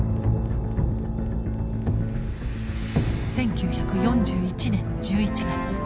１９４１年１１月。